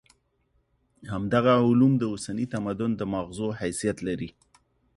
همدغه علوم د اوسني تمدن د ماغزو حیثیت لري.